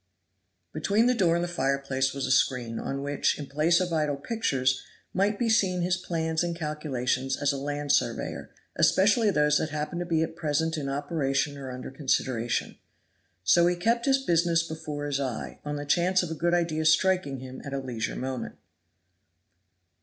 Between the door and the fireplace was a screen, on which, in place of idle pictures, might be seen his plans and calculations as a land surveyor, especially those that happened to be at present in operation or under consideration. So he kept his business before his eye, on the chance of a good idea striking him at a leisure moment.